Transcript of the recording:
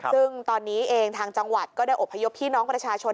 ซึ่งตอนนี้เองทางจังหวัดก็ได้อบพยพพี่น้องประชาชน